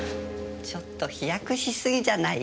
ちょっと飛躍しすぎじゃない？